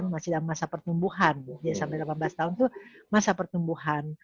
masih dalam masa pertumbuhan ya sampai delapan belas tahun itu masa pertumbuhan